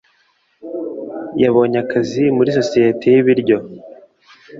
Yabonye akazi muri societe y'ibiryo.